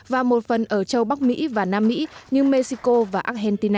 và một phần ở châu bắc mỹ và nam mỹ như mexico và argentina